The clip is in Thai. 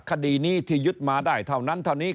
คดีนี้ที่ยึดมาได้เท่านั้นเท่านี้